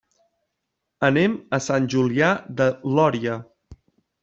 Anem a Sant Julià de Lòria.